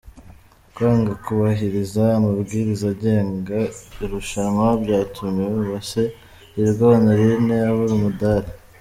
Kwanga kubahiriza amabwiriza agenga irushanwa, byatumye Uwase Hirwa Honorine abura umudari.